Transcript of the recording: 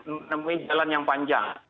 menemui jalan yang panjang